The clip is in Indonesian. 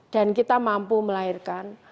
dan kita mampu melahirkan